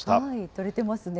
取れてますね。